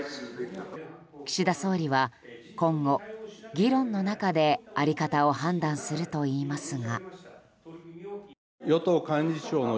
岸田総理は今後、議論の中であり方を判断すると言いますが。